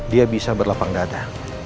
dia bisa berlapang dada